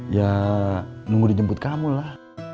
ya nunggu dijemput kamu lah